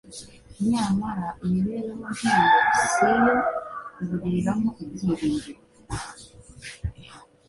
Nyamara, imibereho nk'iyo si iyo kuburiramo ibyiringiro.